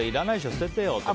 捨ててよとか。